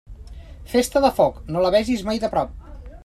Festa de foc, no la vegis mai de prop.